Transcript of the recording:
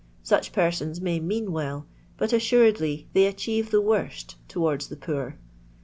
Such persons may mean well, but assuredly they achieve the worst towards the poor.